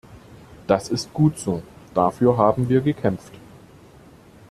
Das ist gut so, dafür haben wir gekämpft.